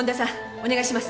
お願いします。